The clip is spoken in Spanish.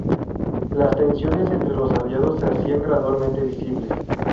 Las tensiones entre los aliados se hacían gradualmente visibles.